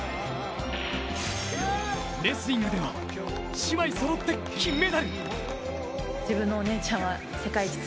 レスリングでは、姉妹そろって金メダル。